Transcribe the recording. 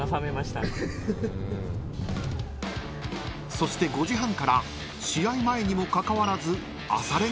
［そして５時半から試合前にもかかわらず］